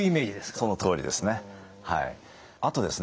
そのとおりですね。